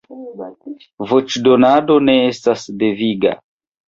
Voĉdonado ne estas deviga.